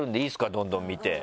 どんどん見て。